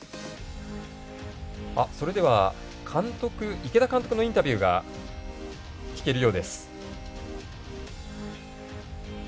それでは池田監督のインタビューが聞けるようです。